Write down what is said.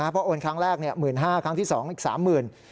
เพราะโอนครั้งแรก๑๕๐๐ครั้งที่๒อีก๓๐๐๐บาท